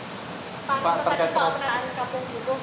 pak misalnya tadi pembentangan kampung buku